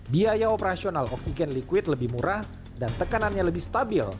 biaya operasional oksigen liquid lebih murah dan tekanannya lebih stabil